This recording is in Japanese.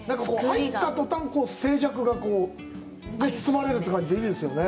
入った途端、静寂に包まれるという感じで、いいですよね。